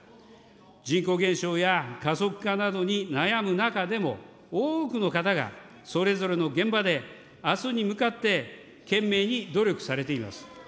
人口減少や過疎化などに悩む中でも多くの方がそれぞれの現場であすに向かって懸命に努力されています。